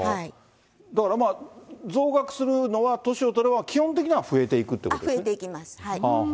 だからまあ増額するのは、年を取れば、基本的には増えていくっていうことですね。